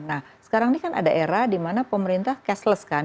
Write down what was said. nah sekarang ini kan ada era di mana pemerintah cashless kan